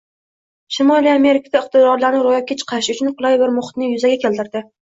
Shimoliy Amerikada iqtidorlarni ro‘yobga chiqarish uchun qulay bir muhitni yuzaga keltirdi.